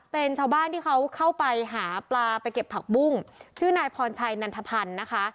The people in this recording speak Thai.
เป็นชาวบ้านที่เขาเข้าไปหาปลาไปเก็บผักบุ้งชื่อนายพรชัยนันทพันธ์นะคะ